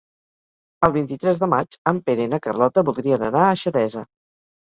El vint-i-tres de maig en Pere i na Carlota voldrien anar a Xeresa.